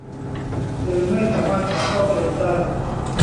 หรือไม่สามารถหาข้อสรุปได้